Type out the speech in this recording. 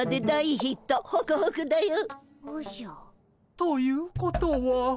ということは。